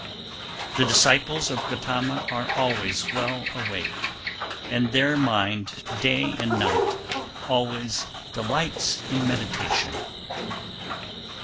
301. The disciples of Gotama are always well awake, and their mind day and night always delights in meditation.